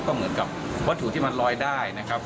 ก็เหมือนกับวัตถุที่มันลอยได้นะครับ